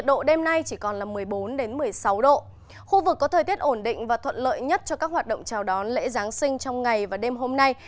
dự báo thời tiết ổn định và thuận lợi nhất cho các hoạt động chào đón lễ giáng sinh trong ngày và đêm hôm nay